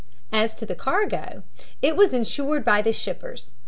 As to the cargo, it was insured by the shippers.